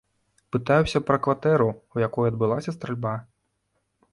Пытаюся пра кватэру, у якой адбылася стральба.